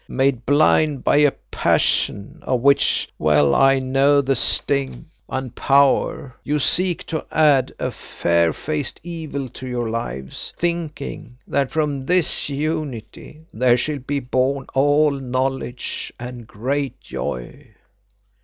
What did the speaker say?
Made blind by a passion of which well I know the sting and power, you seek to add a fair faced evil to your lives, thinking that from this unity there shall be born all knowledge and great joy.